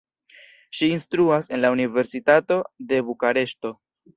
Ŝi instruas en la Universitato de Bukareŝto.